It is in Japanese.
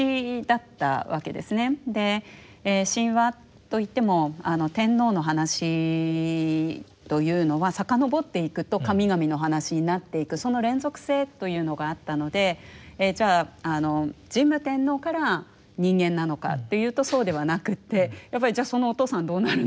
神話といっても天皇の話というのは遡っていくと神々の話になっていくその連続性というのがあったのでじゃあ神武天皇から人間なのかというとそうではなくってやっぱりじゃあそのお父さんはどうなるんだ